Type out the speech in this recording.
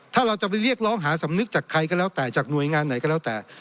ถ้าเราจะไปเรียกร้องหาสำนึกจากใครก็แล้วแต่จากหน่วยงานไหนก็แล้วแต่